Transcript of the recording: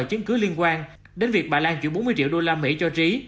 chứng cứ liên quan đến việc bà lan chuyển bốn mươi triệu đô la mỹ cho trí